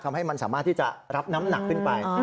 ทำให้มันสามารถที่จะรับน้ำหนักขึ้นไป